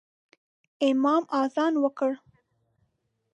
امام اذان وکړ